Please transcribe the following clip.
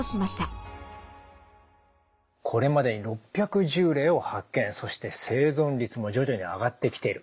これまでに６１０例を発見そして生存率も徐々に上がってきている。